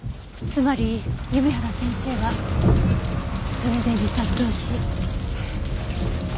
つまり弓原先生はそれで自殺をし。